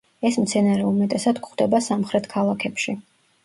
ეს მცენარე უმეტესად გვხვდება სამხრეთ ქალაქებში.